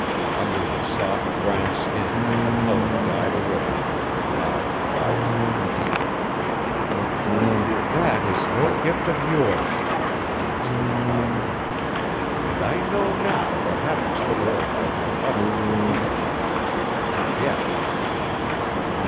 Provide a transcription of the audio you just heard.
Under the soft, brown skin the color died away, and the eyes widened and deepened. "That is no gift of yours!" she whispered proudly; "and I know now what happens to girls like my mother and me when we forget!"